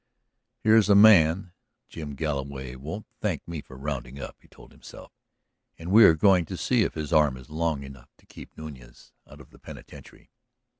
"Here's a man Jim Galloway won't thank me for rounding up," he told himself. "And we are going to see if his arm is long enough to keep Nuñez out of the penitentiary."